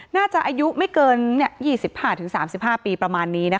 น่าจะอายุไม่เกินเนี้ยยี่สิบห้าถึงสามสิบห้าปีประมาณนี้นะคะ